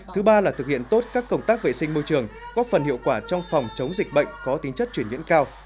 thứ ba là thực hiện tốt các công tác vệ sinh môi trường góp phần hiệu quả trong phòng chống dịch bệnh có tính chất chuyển diễn cao